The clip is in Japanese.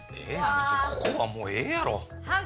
ここはもうええやろ。